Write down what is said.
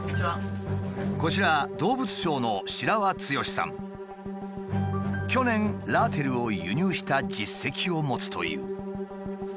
こちら去年ラーテルを輸入した実績を持つという。